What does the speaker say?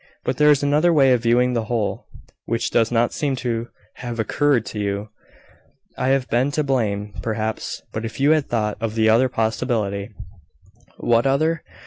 "But there is another way of viewing the whole, which does not seem to have occurred to you. I have been to blame, perhaps; but if you had thought of the other possibility " "What other?